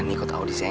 ini kok tau disini